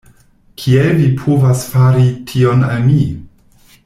Kiel vi povas fari tion al mi?